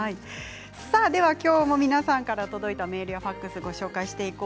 きょうも皆さんから届いたメールファックスをご紹介します。